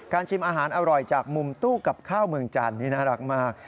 ชิมอาหารอร่อยจากมุมตู้กับข้าวเมืองจันทร์นี่น่ารักมาก